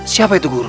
siapa itu guru